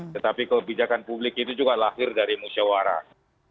tetapi kebijakan publik itu juga lahir dari musyawarah